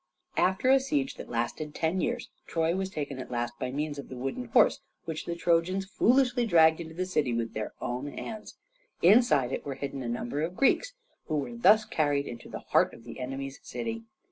After a siege that lasted ten years Troy was taken at last by means of the wooden horse, which the Trojans foolishly dragged into the city with their own hands. Inside it were hidden a number of Greeks, who were thus carried into the heart of the enemy's city.